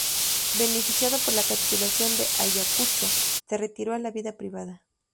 Beneficiado por la Capitulación de Ayacucho, se retiró a la vida privada.